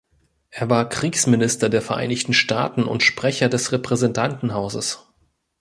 Er war Kriegsminister der Vereinigten Staaten und Sprecher des Repräsentantenhauses.